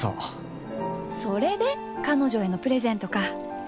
それでカノジョへのプレゼントか。